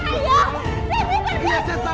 saya bukan nggak persahabatan